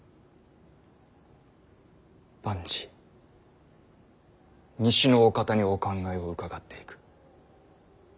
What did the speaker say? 万事西のお方にお考えを伺っていく。